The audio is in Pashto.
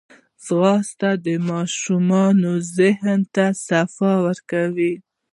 ځغاسته د ماشومانو ذهن ته صفا ورکوي